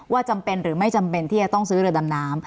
จำเป็นหรือไม่จำเป็นที่จะต้องซื้อเรือดำน้ำ